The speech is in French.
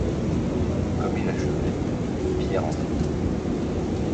Comme il achevait, Pierre entra.